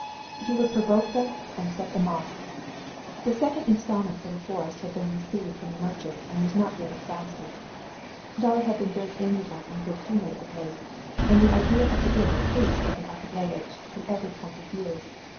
He would provoke them and set them off. The second installment for the forest had been received from the merchant and was not yet exhausted; Dolly had been very amiable and good humored of late, and the idea of the dinner pleased Stepan Arkadyevitch from every point of view.